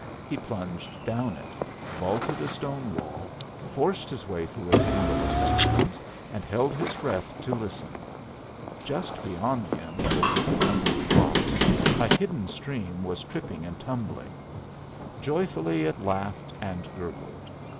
He plunged down it, vaulted a stone wall, forced his way through a tangle of saplings, and held his breath to listen. Just beyond him, over a jumble of rocks, a hidden stream was tripping and tumbling. Joyfully it laughed and gurgled.